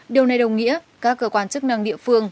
điều này đồng nghĩa các cơ quan chức năng địa phương